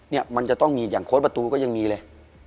เนี่ยมันจะต้องมีอย่างโค้ดประตูก็ยังมีเลย